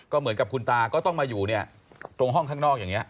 เหมือนกับคุณตาก็ต้องมาอยู่เนี่ยตรงห้องข้างนอกอย่างนี้